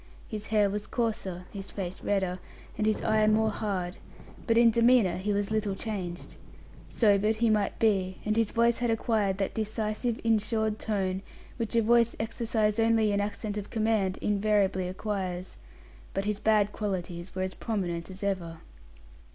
His hair was coarser, his face redder, and his eye more hard, but in demeanour he was little changed. Sobered he might be, and his voice had acquired that decisive, insured tone which a voice exercised only in accents of command invariably acquires, but his bad qualities were as prominent as ever.